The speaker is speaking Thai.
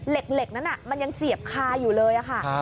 เหล็กนั้นมันยังเสียบคาอยู่เลยค่ะ